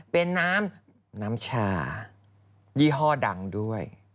เป็นน้ำน้ำชายี่ห้อดังด้วย